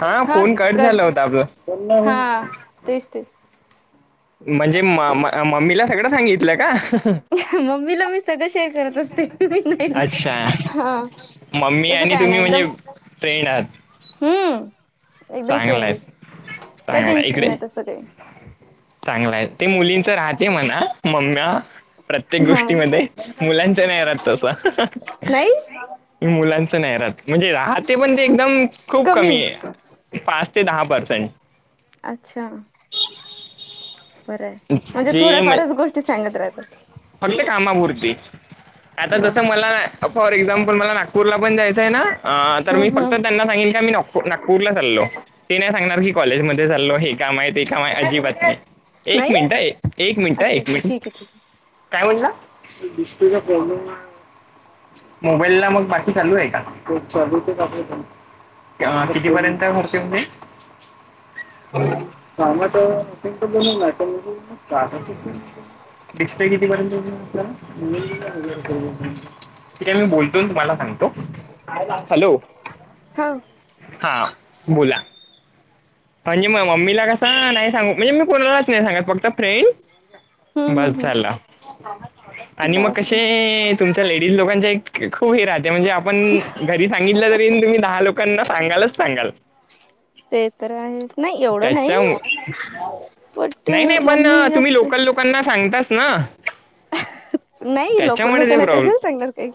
हा phone cut झाला होता आपला हा तेच तेच म्हणजे म मम्मीला सगळं सांगितलं का? मम्मीला मी सगळ शेअर करत असते. मी नाही अच्छा हा मम्मी तसं आणि काय तुम्ही नाही म्हणजे एकदम फ्रेंड आहात? हम्म एकदम चांगला आहे फ्रेंडली काय टेन्शन नाही तस काही चांगलं आहे ते मुलींचं राहते म्हणा मम्मा प्रत्येक हा गोष्टीमध्ये मुलांच्या नाही राहत तसा. नाही मुलांच नाही राहत म्हणजे राहते पण ते एकदम खूप कमी आहे. पाच ते दहा पर्सेंट अच्छा बरं आहे म्हणजे थोड्या फारच गोष्टी सांगत राहतात. हो ते कामापूर्ती आता वा जसं मला फॉर एक्झाम्पल मला नागपूरला पण जायचं आहे ना. तर मी हम्म फक्त हम्म त्यांना सांगेन की मी [unintelligible] पूर्ला चाललो ते नाही सांगणार की कॉलेजमध्ये चालो हे काम आहेत. काय अजिबात नाही एक नाही मिनट एक मिनट अच्छा एक अच्छा मिनट ठीक ठी आहे काय बोलला? मोबाईल ला मग बाकी चालू आहे का कितीपर्यंत होते [unintelligible] हो काम तर [unintelligible] डिस्प्ले कितीपर्यंत येऊन जाईल आपल्याला ठीक आहे. मी बोलतो तुम्हाला सांगतो हॅलो हा हा बोला म्हणजे म मम्मीला कसा नाही सांगू म्हणजे मी कोणालाच नाही सांगत फक्त फ्रेंड हम्म हम्म बस झालं हम्म आणि मग बापरे कशे तुमच्या लेडीज लोकांचे खूप हे राहते म्हणजे आपण घरी सांगितलं तरी तुम्ही दहा लोकांना सांगालच सांगाल ते तर आहेच नाही एवढं त्याच्या नाही बट नाही-नाही पण मम्मी तुम्ही जास्त लोकल लोकांना सांगतास ना नाही लोक त्याच्यामुळे ते लोकांना प्रॉब्लेम कशाला सांगणार काही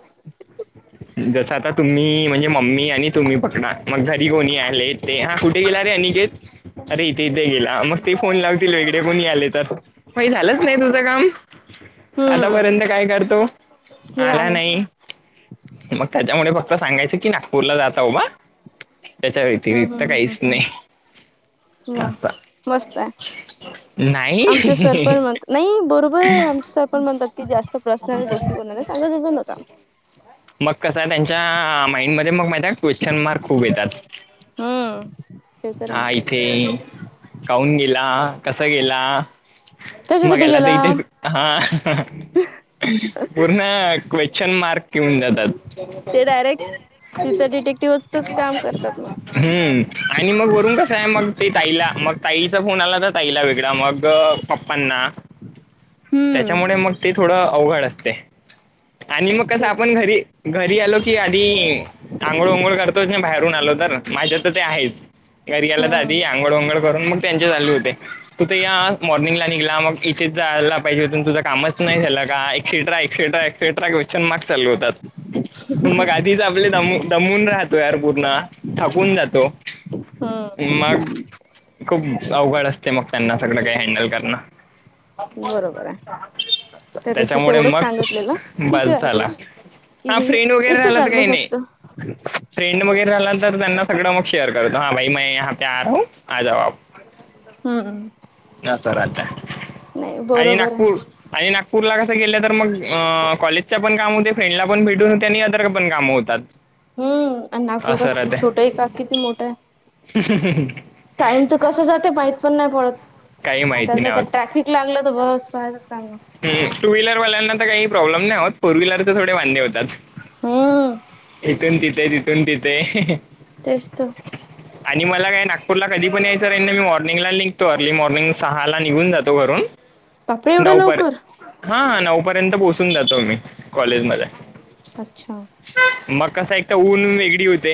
जस आता तुम्ही म्हणजे मम्मी आणि तुम्ही पकडा मग, घरी कोणी आले ते हा कुठे गेला रे? आणि अरे इथे-इथे गेला मग ते फोन लावतील वेगळे कोणी आले तर, मही झालंच नाही तुझं काम हम्म आतापर्यंत काय करतो? हे आला आहे नाही मग त्याच्यामुळे फक्त सांगायचं की, नागपूरला जात हो बा त्याच्या हम्म व्यतिरिक्त हम्म हम्म हम्म काहीच नाही. हम्म वा मस्त आहे. नाहीई आमचे सरपंच म्हणतात नाही बरोबर आहे आमचे सरपंच म्हणतात की, जास्त प्रसनऱ्या गोष्टी कोणाऱ्या सांगत जाऊ नका. मग कस आहे त्यांच्या माइंडमध्येध्ये मग माहिित क्वेश्चन मार्क खूप येतात हा हा इथे काहन गेला कस गेला मग कशासाठी याला तर गेला इथेच हा पूर्ण क्वेश्चन मार्क घऊन जातात ते डायरेक्ट तिथं डिटेक्टिव्हचच काम करतात मग हम्म आणि मग वरून कसं आहे मग ते ताईला मग ताईचा फोन आला तर ताईला वेगळा मग पप्पांना हम्म त्याच्यामुळे मग ते थोडं अवघड असते आणि मग कसं तेच आपण तेच घरी घरी आलो की आधी आंघोळ उघोळ करतोच नाही बाहेरून आलो तर माझ्या तर ते आहेच घरी गेल्या तर हम्म आधी आंंगळ उंगड करून मग त्यांचे चालू होते तूथ या मॉर्निंगला निघला मग इथेच जायला पाहिजेथून तुझं कामच नाही झालं का एक्सेट्रा एक्सेट्राक् ते ट्रक वच्यान म् चालू होतात मग आधीच आपले दम दमून राहतो यार पूर्ण थकून जातो हा मग खूप अवघड असते मग त्यांना सगळं काही हँडल करणं बरोबर आहे त्यापेक्षा त्याच्यामुळे तेवढंच मग सांगितलेलं ठीक बस आहेते झाला कि हा बई फ्रेंड वगैरे इथं राहिला तर चालल काही नाही फक्त फ्रेंड वगैरे झाला तर त्यांना सगळं मग शेअर करतो हा भाई म ह आ राह आज आप हम्म न सर आता नाही आणि बरोबर आहे नागपूर आणि नागपूरला कसं गेलं तर मग कॉलेजच्या पण काम होते फ्रेंडला पण भेटून होते आणि अदर पण काम होतते त्यात हम्म आणि नागपूर का छोटं आहे का किती मोठं आहे ह् हम ह ह टाईम तर कस जाते माहीत पण नाही पडत काही आता माहिती आ नाही त्या होत ट्रॅफिक लागलं तर बस पायचच काम ह टू व्हीलरल्यांना काही प्रॉ्म नाही आत फोर व्हीलर थोडे वांे होते हम्म इथून तिथे तिथून तथे तेसत [unintelligible] आणि मला काय नागपूरला कधी पण यायंही ना मी मॉर्निंगला नििघतो अर्ली मॉर्निंग सहा ला निघून जातो घरून बापरे एवढं नऊ पर् लवकर हाा नऊ पर्यंत पोहोचून जातो मी कॉलेज मध्ये अच्छा मग कस एक तर ऊन वेगळी होते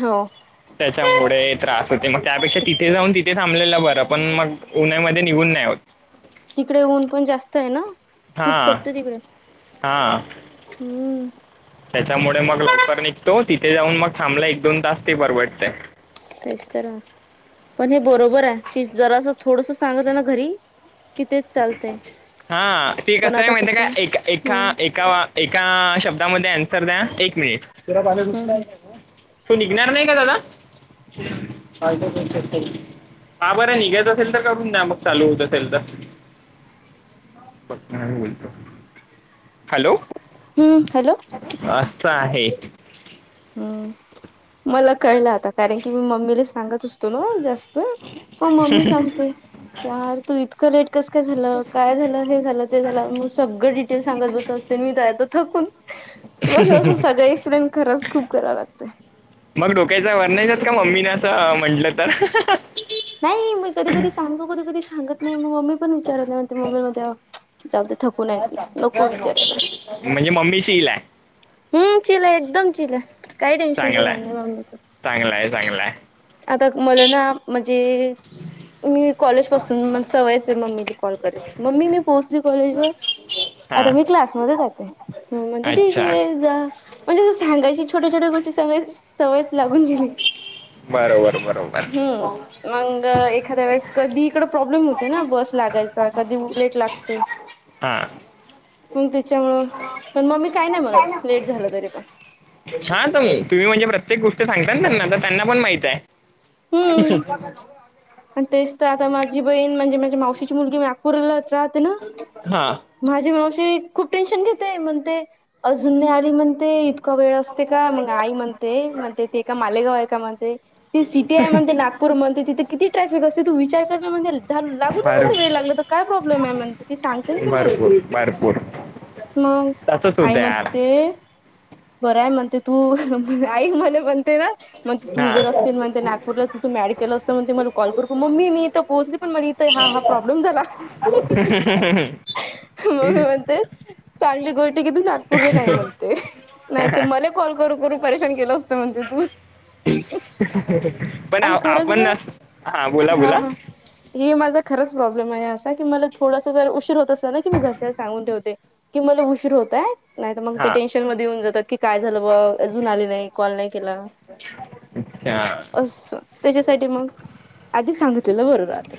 हो त्याच्यामुळे त्रास होते मग त्यापेक्षा तिथे जाऊन त ते थांबलेलं बरं पण मग उन्हामध्ये निघून नाही आ तिकडे ऊन पण जास्त आहे ना खूप हां तपत तिकडे हां हम्म त्याच्यामुळे मग लॉकर निघतो तिथे जाऊन मग थांबला एक दोन तास ते परवडते तेच तर ह पण हे बरोबर आहे की जरा असं थोडस सांगत आहे ना घरी कि तेच चालतंय हा ते पण कस आहे आता माहिती का कसं एक एकाा हम्म ए एका शब्दामध्ये अन्सर द्या एक मिनिटुुस का हम्म तू निघणार नाही का दादा श हा बरं निघायच असेल तर करून द्या मग चालू होत असेल तर ोलतो हॅलो हम्म हॅलो अस आहे हम्म मला कळलं आता कारण की मी मम्मीला सांगत असतो ना जास्त मग मम्मी शांते यार तू इतकं लेट कस काय झालं काय झालं हे झालं ते झालं मग सगळं डिटेल् सांगत बसस ते मी जायत थकून ह त असं सगळं एक्सप्लेन खराच खूप कराव लागत मग डोक्यायचा वर नाहीयचात का मम्मीने असं म्हंटलं तर नाही मी कधी कधी सांगतो कधी कधी सांगत नाही मग मम्मी पण विचारत नाही म्हणते मम्मी मध्ये जाऊ ते थकूूनय काय त टाकतात नको काय विचारायला नाही. म्हणजे मम्मी शीलल आहे हम् चिील एकदम चिील काय टेन्शनचं का नाही मामण्याचं चांगलाय चांगलाय आता मला ना म्हणजे मी कॉलेज पासून म सवयचे मम्मी कॉल करायची मम्मी मी पोहोचली कॉलेजवर आता हां मी क्लासमध्येध्ये जाते म्हणते ठीक अच्छा आहे जा म्हणजे अस सगायची छोट्या छोट्या गोष्टी सांगाय सवयच लागून गेली बरोबर बरोबर हम्म मग एखाद्या वेळेस कधी इकड प्रॉब्लेम होते ना बस लागायचा कधी लेट लागते ह पण तेच्या झालं तरी पण [unintelligible] हा तुम्ही म्हणजे प्रत्येक गोष्ट सांगता त्यांना तर त्यांना पण माहित आहे हम्म अचछा आणि तेच तर आता माझी बहीण म्हणजे माझ्या मावशीची मुलगी नागपूरलाच राहते ना हा माझे मावशी खूप टेन्शन घेते म्हणते अजून आली म्हणते ते इतका वेळ असते का मग आई म्हणते म्हणते ते का मालेगाव आहे का म्हणते ते सिटी आय म्हणते नागपूर म्हणते तिथे किती ट्रॅफिक असते तू विचार ना म्हणे झा लागू दे भर म्हण वेळ लागल तर काय प्रॉब्म आहे म्हण त ते सांगते तुला भरपूर भरपूर मग तसंच आई होतं म यार बरंय म्हणते तू आई मला म्हणते ना मग ते तुझे र हा असतील म्हण ते नागपूरला तू तू मॅडिकल असल मग मला कॉल करू मग मी इथं पोहचली पण मग हा हा प्रॉब्लेम झाला ह मगमी म्हणते चांगली गोष्टष्टी किथून नागपूरले नाही म्हणते नाही मला कॉल करू करू परेशान केलं असतं म्हणते तू पण आणि खरंच आपण बरं हा बोला हा बोला हा. हे माझा खरंच प्रॉब्लेम आहे असा की मला थोडस जर उशीर होत असत ना की मी घरष सगून ठवते की मला उशीर होतय नाही तर मग ते हा टेन्शन म येऊन जातात की काय झालं ब अजून आले नाही कॉल नाही केला अच्छा अस त्याच्यासाठी मग आधी सांगितलं बरोबरहते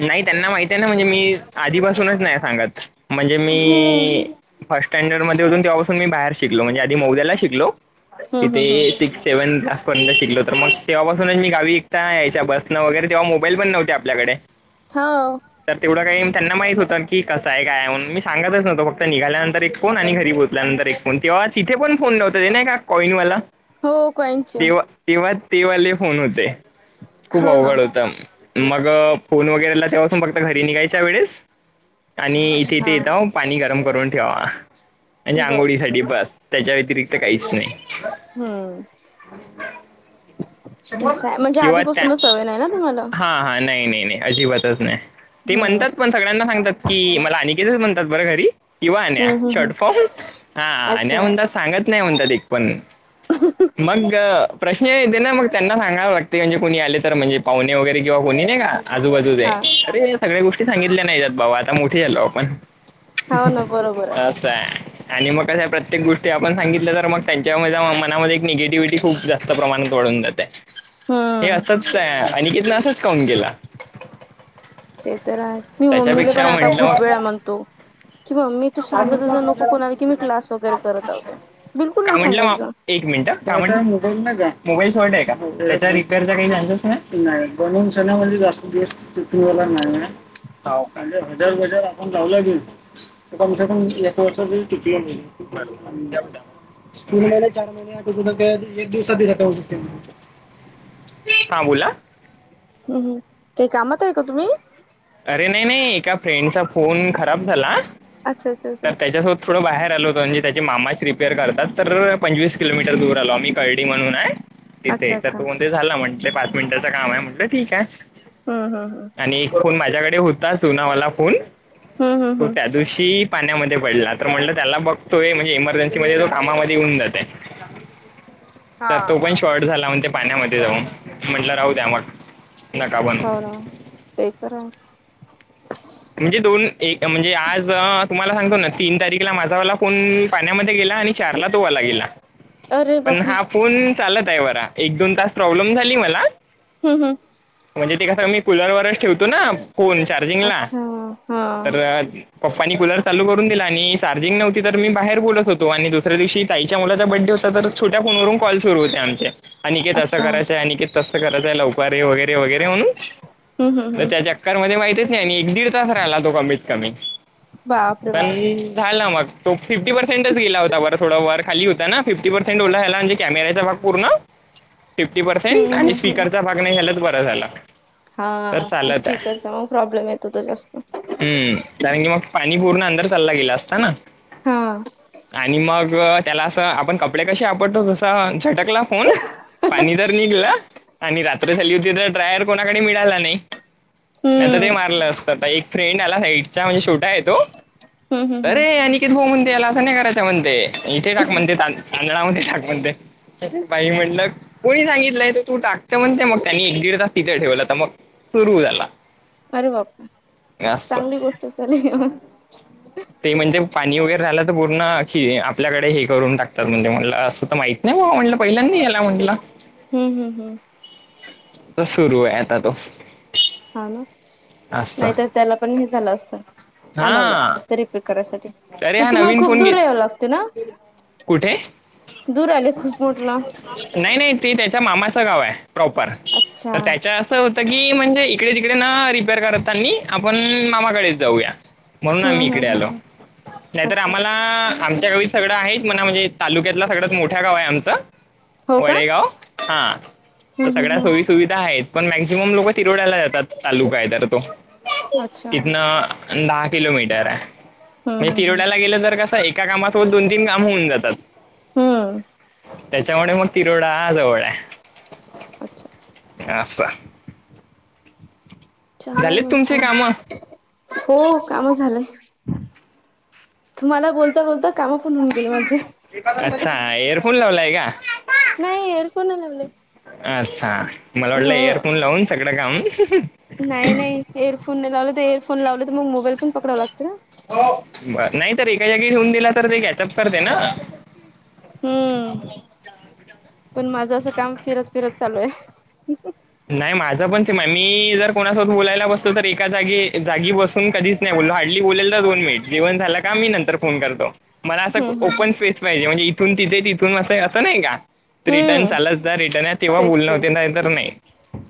नाही त्यांना माहित आहे ना म्हणजे मी आधीपासूनच नाही सांगत म्हणजे हम्म मी फर्स् स्टँडर्डमध्ये होून तेव्हाासून मी बाहेर शिकलो म्हणजे आधी मोद्याला शिकलो हम्म तिथे हम्म हम्म सिक्स सेव्हन शिकलो तर मग तेव्हापासूनच मी गावी विकता यायच्या बसं वगैरे तेव्हा मोबाईल पण नव्हते आपल्याकडे हा तर तेवढं काही त्यांना माहित होतं की कसं आहे काय म्हणून मी सांगतच नव्हतो फक्त निघाल्यानंतर एक फोन आणि घरी बोलतो आपल्यांतर एको तेव्हा तिथे पण फोन लावता ते ना का कॉईनवाला हो कहीच तेव्हा तेव्हा तेवाले फोन होते खूप हो ना. अवघड होते मग फोन वगैरेला तेासून फक्त घरी निघायच्या वेळेस आणि तिथे हा. यथ पाणी गरम करून ठेवा म्हणजे बस आंघोळीसाठीठी बस त्याच्या व्यतिरिक्त काहीच नाही हम्म तसं आहे म्हणजे किंवा आधीपासूनच सवय नाही ना तुम्हाला? हा हा नाही नाही नाही अजिबातच नाही ते हम्म म्हणतात पण सगळ्यांना सांगतात की मला आणनिकेतच म्हणतात बरं घरी किंवा आणन्या हम्म हम्म हम्म शर्टफॉर्म हा आण्या अच्छा म्हणता सांगत नाही म्हणत ते पण मग प्रश्न य येत ना मग त्यांना सांगा प्रगत म्हणजे कोणी आले तर म्हणजे पाहुणे वगैरे किंवा कोणी आहे का आजूबाजू आहे हा अरे सगळ्या गोष्टी सांगितल्या नाहीतात बाबा आता मोठीे झालो आपण हो ना बरोबर अस आहे आणि मग अशा प्रत्येक गोष्टी आपण सांगितल्या तर मग त्यांच्या म मनामध्ये एक निगेटिव्हिटी खूप जास्त प्रमाणात वाळून जाते हे हम्म असच अिकेतला असच काउन केला ते तर मी मम्मीला पण त्याच्यापेक्षा आता म्हटलं खूप वेळा म्हणतो कि म मी तू सांगायचं जर नको कोणाला की मग मी क्लास वगैरे करत होते बिलकुल का नाही म्हटलं मा- सांगायच एक मिनिटं मोबाईल स्ॉट त्याचा रिपेअर काही नाही बनवून सणा म्हणजे जास्त दिस तुूनला नाही ज हजर बजर आपण लावलं गे ए पसरण एक बसररी टुप म जा जा तीन महिले चार महिने कु एक दिवसातका होऊ शकते हां बोला हम् काही कामात आहे का तुम्ही अरे नाही नाही एका फ्रेंडचा फोन खराब झाला अच्छा अच्छा अच्छा तर त्याच्यास थोडं बाहेर आलो होतो म्हणे त्याच्या मामाच रिपेअर करतात तर पंचवीस किलोमीटर दूर आलो आम्ही कळडी म्हणून आहे तिथे अच्छा तर अच्छा तू कोणते झाला म्हटले पाच मिनिटाचं काम आहे म्हंटलं ठीक आहे हम् हम हम् आणि एक फोन माझ्याकडे होता जुनावाला फोन हम्म हम्म हम्म तो हम्म त्या दिवशी पाण्यामध्ये पडला तर म्हटलं त्याला बघतोय म्हणजे इमर्जन्सी मध्ये जो कामामध्ये येऊन जाते हा. तर तो पण शॉर्ट झाला म्हण ते पाण्यामध्ये जाऊन म्हटलं राहू त्या मग नका बण हो ना ते तरो रा म्हणजे दोन एक म्हणजे आज तुम्हाला सांगतो ना तीन तारीखला माझावाला फोन पाण्यामध्ये गेला आणि चारला तोवाला गेला अरे पण बापरे! हा फोन चालत आहे बरा एक दोन तास प्रॉब्लेम झाली मला हा हा म्हणजे ते क स मी कुलरवरच ठेवतो ना फोन चार्जिंग ला अच्छा हा तर पप्पानी कुलर चालू करून दिला आणि स चार्जिंग नव्ह तर मी बाहेर बोलत होत आणि दुस्या दिवशी तईच्या मुलाचा बडडे होता तर छोट्या फोनवरून कॉल सुरू होते आमचे अिकेत असं अच्छा करायचंय अनिकेत तसं करायचंय लवकारे वगैरे वगैरे म्हणून हम्म हम्म तर हम्म. त्याच्या कर मध्ये माहतीेत नाही आणि एक दीड तास राहिला तो कमीत कमी बापरे पण बाप! झाला मग तो फिफीर्सेंटच गेला होता बर थोड व खली होता ना फिफ्टी पर्सेंटओलाायला म्हजे कॅमेचा भाग पूण फिफ्टी पर्सेंट हम्म आणि हम्म हम्म. स्पीकरचा भाग नाही घालच बरा झाला हा तर ते चालत स्पीकरचा मग प्रॉब्लेम येत होता जास्त हम् कारण की मग पाणी पूर्ण अंदर चालला गेला असता ना हा आणि मग त्याला असं आपण कपडे कसे वापडतो त झटकला फोन पाणी दर निघला आणि रात्र झाली होती तर ड्रायर कोणाकडे मिळाला नाही नाहीता ते हम्म. मारलं आता एक फ्रेंड आला साइटचा म्हणजे शूटा आहे तो हम्म हम्म अे हम्म आणि च भाऊ म्हणतेला असं नाही करायच्या म्हणते इथे टाक म्हणते तांदळा मध्ये टाक म्हणते बाई म्हटलं कोणी सांगितलंय तर तू टाकत म्हणते मग त्यांनी एक दीड तास तिथे ठेवलं तर मग सुरू झाला अरे बापरे! असं चांगली गोष्ट झाली मग. [unintelligible] ते म्हणजे पाणी वगैरे राहिलं, तर पूर्ण की आपल्याकडे हे करून टाकतात. म्हणजे मला असं तर माहिती. नाही बाबा म्हटलं, पहिल्यांदी यायला म्हटला. हम्म हम् हम् तर सुरू आहे. आता तो हा ना असं नाहीतर, त्याला पण हे झालं असत. आणवला हा इस्तरि रीपेर करायसाठी अरे हा मग तुम्हाला नवीन खूप फोन दूर घेत याव लागतेय ना. कुठे दूर आले खूप मोठला नाही, नाही ते त्याच्या मामाचं गाव आहे. प्रॉपर अच्छा. तर त्याच्या असं की म्हणजे इकडे तिकडे ना रिपेअर करतांनी आपण मामाकडेच जाऊया. म्हणून हम्म आम्ही हम्म इकडे हम्म आलो. हम्म नाहीतर अच्छा आम्हाला. आमच्या गावीत सगळं आहे. म्हणा म्हणजे, तालुक्यातला सगळंत मोठं गाव आहे आमचं. हो का वडेगाव हा तर हम्म हम्म सगळ्या हम्म सोयी. सुविधा आहेत. पण मॅक्झिमम लोकं तिरोवड्याला जातात तालुका आहे. तर तो अच्छा. तिथनं अन दहा किलोमीटर आहे. म हम्म हम्म हम्म तिरोड्याला गेलं तर, कस एक त्या कामासोबत दोन तीन काम होऊन जातात. हम्म त्याच्यामुळे मग तिरोडा जवळ आहे. अच्छा. हे आसं छान आहे झालेत मग तुमचे तर, कामं हो काम झालंय. हम् तुम्हाला बोलता, बोलता कामा पण होऊन गेले माझे. अच्छा एअरफोन लावलाय का नाही एअरफोन नाही लावले. अच्छा मला वाटलं हम्म एयरफोन लावून सगळं काम नाही नाही एयरफोन नाही लावले. ते एयरफोन लावलं तर मग मोबाईल पण पकडावं लागतं ना. बर नाही, तर एका जागी ठेऊन दिला, तर ते कॅचअप करते ना. हम्म, पण माझ असं काम फिरत फिरत चालू आहे. नाही माझं पण सेम आहे. मी जर कोणासोबत बोलायला बसतो तर एका जागी जागी बसतो. कधीच नाही बोलेलो. हाडली बोलेलो दोन मिनिट जेवन झालं का, मी नंतर फोन करतो. मला हम्म असं हम्म हम्म ओपन स्पेस पाहिजे. म्हणजे इथून तिथे तिथून असं असं नाही का. रिटर्न हम्म, चालत जा रिटर्न या तेव्हा तेच बोलणे होते, तेच नाहीतर नाही.